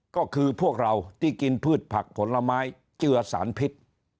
ก็คือพวกเราที่กินพืชผักผลไม้เจือสารพิษ